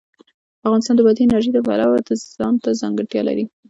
افغانستان د بادي انرژي د پلوه ځانته ځانګړتیا لري.